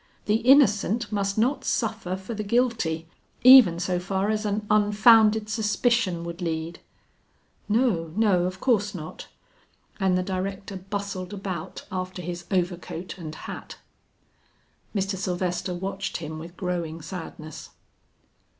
The innocent must not suffer for the guilty, even so far as an unfounded suspicion would lead." "No, no, of course not." And the director bustled about after his overcoat and hat. Mr. Sylvester watched him with growing sadness.